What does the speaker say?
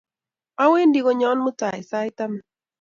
Awendi konyon mutai sait taman